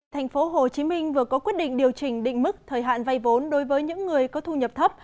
thành phố hồ chí minh vừa có quyết định điều chỉnh định mức thời hạn vay vốn đối với những người có thu nhập thấp